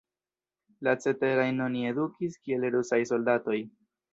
La ceterajn oni edukis kiel rusaj soldatoj.